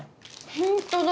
本当だ！